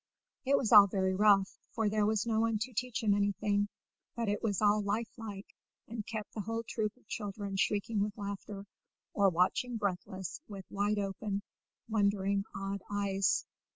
It was all very rough, for there was no one to teach him anything But it was all life like, and kept the whole troop of children shrieking with laughter, or watching breathless, with wide open, wondering, awed eyes.